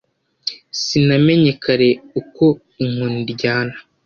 sinamenye kare uko inkoni iryana